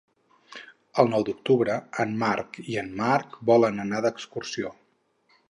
El nou d'octubre en Marc i en Marc volen anar d'excursió.